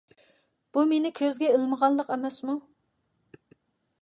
بۇ مېنى كۆزگە ئىلمىغانلىق ئەمەسمۇ!